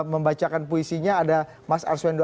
membacakan puisinya ada mas arswendo